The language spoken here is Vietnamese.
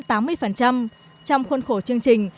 trong khuôn khổ chương trình